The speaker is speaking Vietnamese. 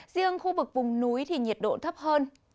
riêng khu vực vùng núi thì nhiệt độ thấp hơn